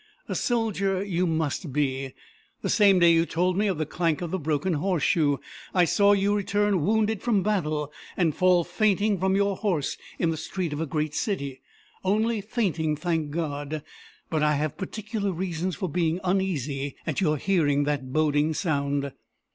"A soldier you must be. The same day you told me of the clank of the broken horseshoe, I saw you return wounded from battle, and fall fainting from your horse in the street of a great city only fainting, thank God. But I have particular reasons for being uneasy at your hearing that boding sound.